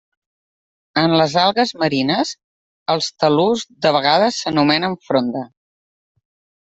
En les algues marines els tal·lus de vegades s'anomenen fronda.